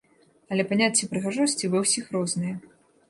Але паняцце прыгажосці ва ўсіх рознае.